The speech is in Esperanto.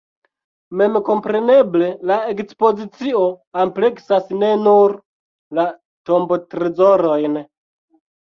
Memkompreneble la ekspozicio ampleksas ne nur la tombotrezorojn.